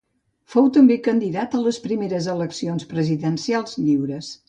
Fou també candidat a les primeres eleccions presidencials lliures.